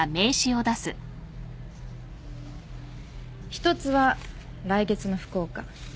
１つは来月の福岡。